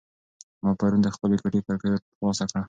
ما پرون د خپلې کوټې کړکۍ خلاصه کړه.